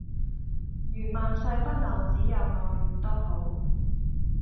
如萬世不朽只有愛多好